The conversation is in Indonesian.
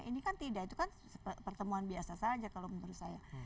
ini kan tidak itu kan pertemuan biasa saja kalau menurut saya